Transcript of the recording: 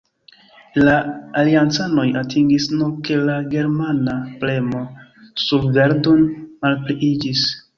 La aliancanoj atingis nur, ke la germana premo sur Verdun malpliiĝis.